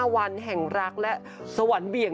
วันแห่งรักและสวรรค์เบี่ยง